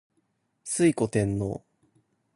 推古天皇